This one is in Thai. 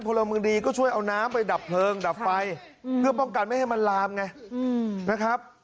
พลเมืองดีก็ช่วยเอาน้ำไปดับเพลิงดับไฟเพื่อป้องกันไม่ให้มันลามไงนะครับ